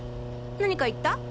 何か言った？